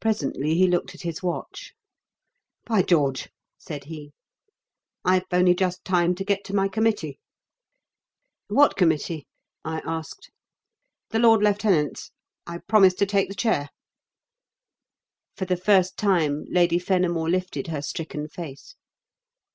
Presently he looked at his watch. "By George," said he, "I've only just time to get to my Committee." "What Committee?" I asked. "The Lord Lieutenant's. I promised to take the chair." For the first time Lady Fenimore lifted her stricken face.